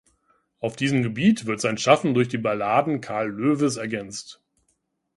Auf diesem Gebiet wird sein Schaffen durch die Balladen Carl Loewes ergänzt.